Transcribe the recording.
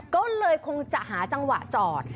ก็เลยคงจะหาจังหวะจอด